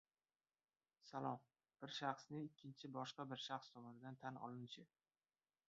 Salom — bir shaxsni ikkinchi boshqa bir shaxs tomonidan tan olinishi.